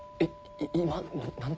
い今何て？